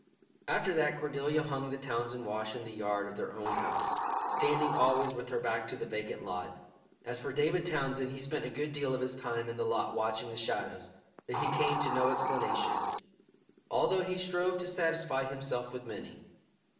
After that Cordelia hung the Townsend wash in the yard of their own house, standing always with her back to the vacant lot. As for David Townsend, he spent a good deal of his time in the lot watching the shadows, but he came to no explanation, although he strove to satisfy himself with many.